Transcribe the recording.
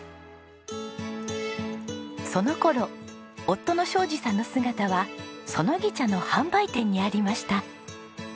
その頃夫の将次さんの姿はそのぎ茶の販売店にありました。